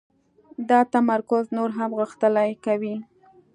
دا تمرکز نور هم غښتلی کوي